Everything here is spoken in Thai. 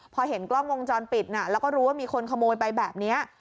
พอเห็นกล้องวงจรปิดแล้วก็รู้ว่ามีคนขโมยไปแบบนี้